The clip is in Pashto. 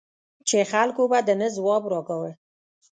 چې خلکو به د نه ځواب را کاوه.